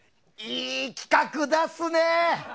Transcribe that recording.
いい企画出すね。